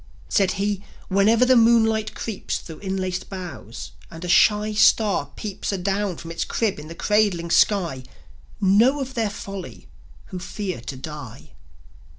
Said he: "Whenever the moonlight creeps Thro' inlaced boughs, a'nd a shy star peeps Adown from its crib in the cradling sky, Know of their folly who fear to die."